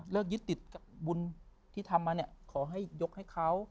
เริ่มยึดติดบุญที่ทำมาขอให้ยกให้เขา